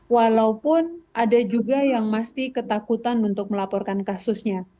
walaupun ada juga yang masih ketakutan untuk melaporkan kasusnya